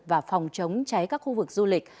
và phòng chống cháy các khu vực du lịch